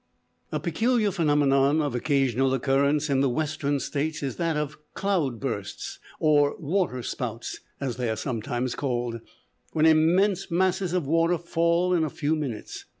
A peculiar phenomenon of occasional occurrence in the Western States is that of "cloud bursts," or "water spouts" as they are sometimes called, when immense masses of water fall in a few minutes.